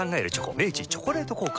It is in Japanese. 明治「チョコレート効果」